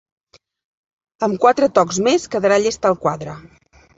Amb quatre tocs més quedarà llest el quadre.